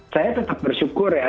saya tetap bersyukur ya